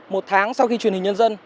một tháng sau khi truyền hình nhân dân